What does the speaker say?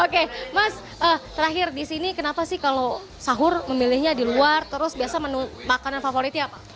oke mas terakhir di sini kenapa sih kalau sahur memilihnya di luar terus biasa menu makanan favoritnya apa